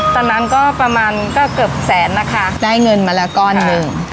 ตอนนั้นก็ประมาณก็เกือบแสนนะคะได้เงินมาแล้วก้อนหนึ่ง